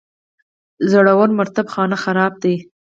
زوړ مطرب خانه خراب دی.